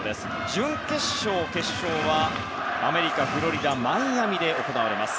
準決勝、決勝はアメリカフロリダ、マイアミで行われます。